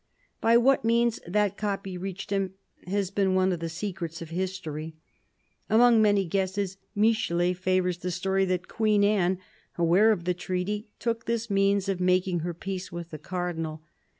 By what means that copy reached him has been one of the secrets of history. Among many guesses, Michelet favours the story that Queen Anne, aware of the treaty, took this means of making her peace with the Cardinal.